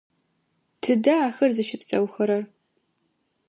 Тыдэ ахэр зыщыпсэухэрэр?